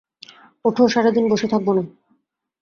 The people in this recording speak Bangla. ওঠো, সারাদিন বসে থাকব না!